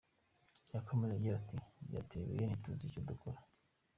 Yakomeje agira ati “Byatuyobeye ntituzi icyo dukora.